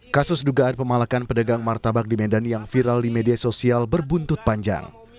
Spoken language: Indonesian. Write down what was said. kasus dugaan pemalakan pedagang martabak di medan yang viral di media sosial berbuntut panjang